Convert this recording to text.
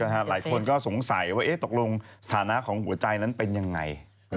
หลายคนก็สงสัยว่าตกลงสถานะของหัวใจนั้นเป็นยังไง